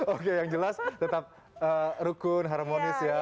oke yang jelas tetap rukun harmonis ya